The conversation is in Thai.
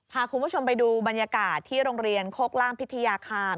พาคุณผู้ชมไปดูบรรยากาศที่โรงเรียนโคกล่ามพิทยาคาร